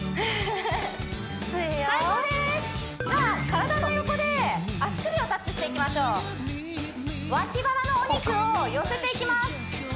きついよ最高ですじゃあ体の横で足首をタッチしていきましょう脇腹のお肉を寄せていきます